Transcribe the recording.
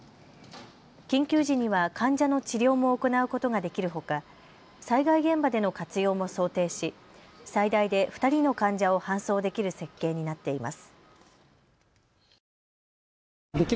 緊急時には患者の治療も行うことができるほか災害現場での活用も想定し最大で２人の患者を搬送できる設計になっています。